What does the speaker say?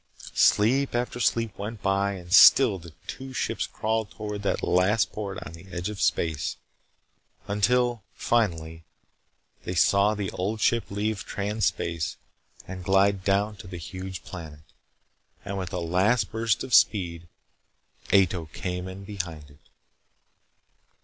Sleep after sleep went by and still the two ships crawled toward that last port on the edge of space. Until, finally, they saw the Old Ship leave Trans Space and glide down to the huge planet. And with a last burst of speed, Ato came in behind it.